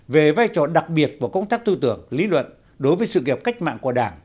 về vai trò đặc biệt của công tác tư tưởng lý luận đối với sự nghiệp cách mạng của đảng